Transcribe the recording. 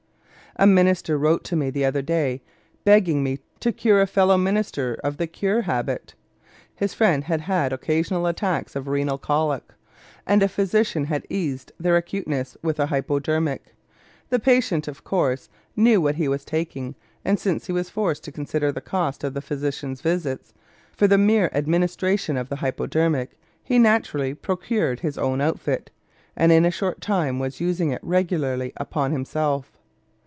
A minister wrote to me the other day begging me to cure a fellow minister of the cure habit. His friend had had occasional attacks of renal colic, and a physician had eased their acuteness with a hypodermic. The patient of course knew what he was taking, and since he was forced to consider the cost of the physician's visits for the mere administration of the hypodermic, he naturally procured his own outfit, and in a short time was using it regularly upon himself.